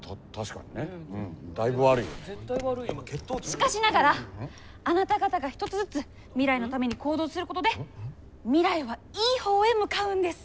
しかしながらあなた方が一つずつ未来のために行動することで未来はいい方へ向かうんです！